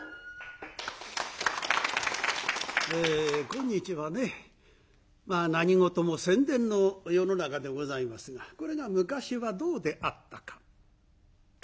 今日はね何事も宣伝の世の中でございますがこれが昔はどうであったか。